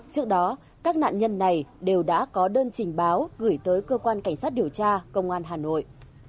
trước đó các nạn nhân này đều đã có đơn trình báo gửi tới cơ quan cảnh sát điều tra công an hà nội